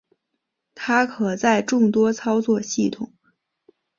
它可在众多操作系统。